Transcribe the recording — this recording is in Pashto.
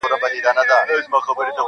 • په زندان کي یې آغازي ترانې کړې -